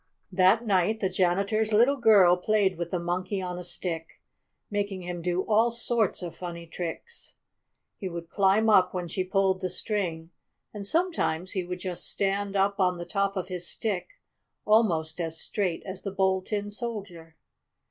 That night the janitor's little girl played with the Monkey on a Stick, making him do all sorts of funny tricks. He would climb up when she pulled the string, and sometimes he would just stand up on the top of his stick, almost as straight as the Bold Tin Soldier.